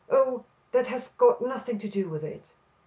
"Oh, that has got nothing to do with it."